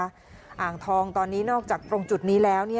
อ่างทองตอนนี้นอกจากตรงจุดนี้แล้ว